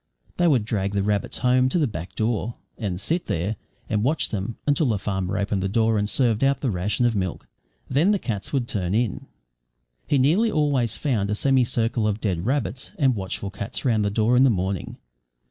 They would drag the rabbits home to the back door, and sit there and watch them until the farmer opened the door and served out the ration of milk. Then the cats would turn in. He nearly always found a semi circle of dead rabbits and watchful cats round the door in the morning.